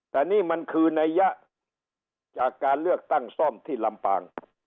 แต่นี่มันคือนัยยะจากการเลือกตั้งซ่อมที่ลำปาง